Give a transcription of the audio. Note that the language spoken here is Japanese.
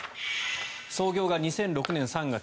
創業が２００６年３月。